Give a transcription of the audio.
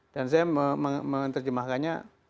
dan saya menerjemahkannya